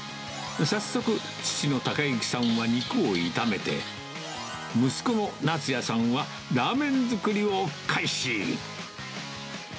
早速、父の孝之さんは肉を炒めて、息子の夏也さんはラーメン作りを開始。